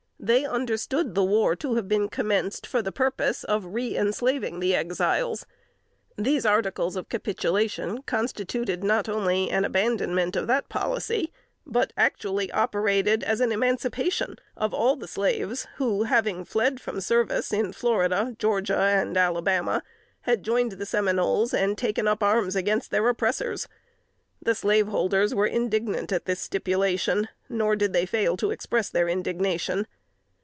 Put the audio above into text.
They understood the war to have been commenced for the purpose of reënslaving the Exiles. These articles of capitulation constituted not only an abandonment of that policy, but actually operated as an emancipation of all the slaves who, having fled from service in Florida, Georgia and Alabama, had joined the Seminoles and taken up arms against their oppressors. The slaveholders were indignant at this stipulation, nor did they fail to express their indignation.